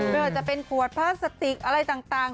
ไม่ว่าจะเป็นขวดพลาสติกอะไรต่าง